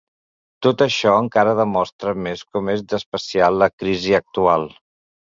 Tot això encara demostra més com és d’especial la crisi actual.